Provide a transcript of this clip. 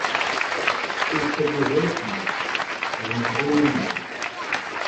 Ur yettwaggad ara fell-i, zemreɣ i yiman-iw.